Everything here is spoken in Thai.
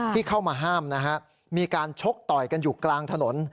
เข้ามาห้ามนะฮะมีการชกต่อยกันอยู่กลางถนน